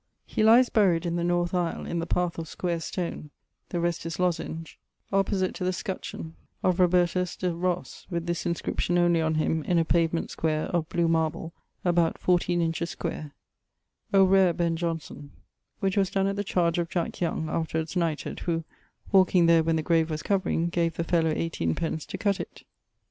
He lies buryed[V.] in the north aisle in the path of square stone (the rest is lozenge), opposite to the scutcheon of Robertus de Ros, with this inscription only on him, in a pavement square, of blew marble, about 14 inches square, O RARE BENN IOHNSON which was donne at the chardge of Jack Young (afterwards knighted) who, walking there when the grave was covering, gave the fellow eighteen pence to cutt it.